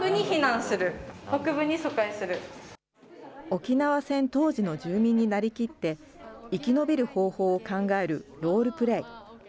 沖縄戦当時の住民になりきって、生き延びる方法を考えるロールプレイ。